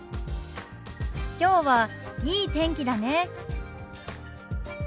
きょうはいい天気だね。